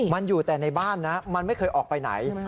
มันอยู่แต่ในบ้านนะมันไม่เคยออกไปไหน